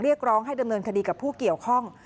เรียกร้องให้ดำเนินคดีกับผู้เกี่ยวข้อง